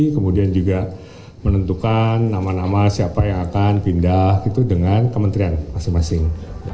kemudian juga menentukan nama nama siapa yang akan pindah dengan kementerian masing masing